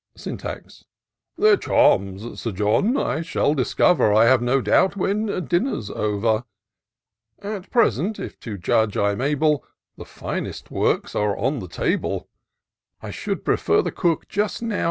Syntax. Their charms. Sir John, I shall discover, I have no doubt, when dinner's over : At present, if to judge I'm able. The finest works are on the table : I should prefer the cook just now.